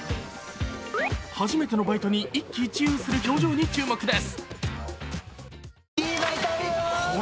初めてのバイトに一喜一憂する表情に注目です。